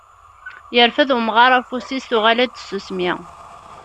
Yerfed umɣar afus-is tuɣal-d tsusmi.